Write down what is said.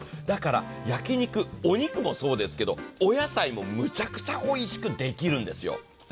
だから、焼き肉、お肉もそうですけど、お野菜もむちゃくちゃおいしくできるんですよ。